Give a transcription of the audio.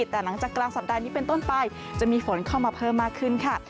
แต่หลังจากกลางสัปดาห์นี้เป็นต้นไปจะมีฝนเข้ามาเพิ่มมากขึ้นค่ะ